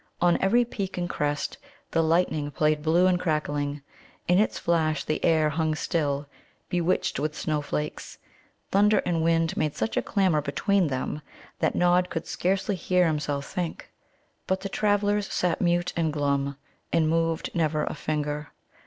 On every peak and crest the lightning played blue and crackling. In its flash the air hung still, bewitched with snow flakes. Thunder and wind made such a clamour between them that Nod could scarcely hear himself think. But the travellers sat mute and glum, and moved never a finger.